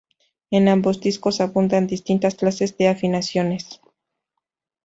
En ambos discos abundan distintas clases de afinaciones.